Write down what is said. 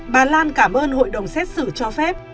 bà lan cảm ơn hội đồng xét xử cho phép